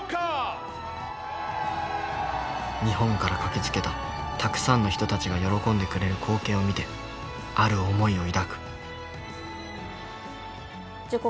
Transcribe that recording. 日本から駆けつけたたくさんの人たちが喜んでくれる光景を見てある思いを抱く。